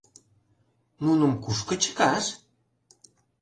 Нуным кушко чыкаш?